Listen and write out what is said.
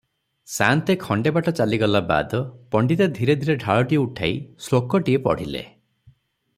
ସାଆନ୍ତେ ଖଣ୍ତେ ବାଟ ଚାଲିଗଲା ବାଦ୍ ପଣ୍ତିତେ ଧୀରେ ଧୀରେ ଢାଳଟି ଉଠାଇ ଶ୍ଳୋକଟିଏ ପଢ଼ିଲେ